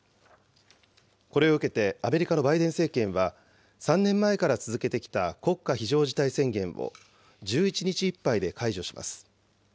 これを受けてアメリカのバイデン政権は、３年前から続けてきた国家非常事態宣言を１１日いっぱいで解除します。